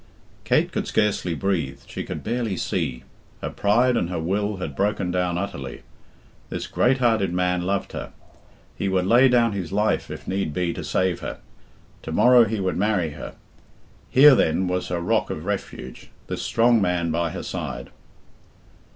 Kate could scarcely breathe, she could barely see. Her pride and her will had broken down utterly. This greathearted man loved her. He would lay down his life if need be to save her. To morrow he would marry her. Here, then, was her rock of refuge this strong man by her side.